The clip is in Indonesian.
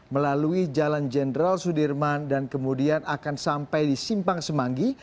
melalui jalan jenderal sudirman dan kemudian akan sampai di simpang semanggi